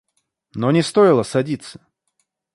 Но не стоило садиться.